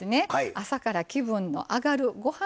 朝から気分の上がるご飯